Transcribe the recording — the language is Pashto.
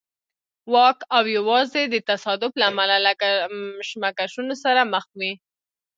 واک او یوازې د تصادف له امله له کشمکشونو سره مخ وي.